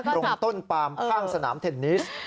ตรงต้นปามข้างสนามเทนนิส